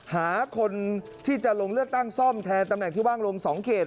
หาคนที่จะลงเลือกตั้งซ่อมแทนตำแหน่งที่ว่างลง๒เขต